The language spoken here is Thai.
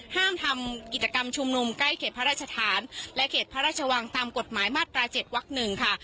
ห้ามทำกิจกรรมชุมนุมใกล้เขตพระราชฐานและเขตพระราชวังตามกฎหมายมาตรา๗วัก๑ค่ะ